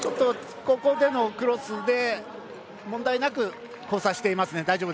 ここでのクロスで問題なく交差していますね。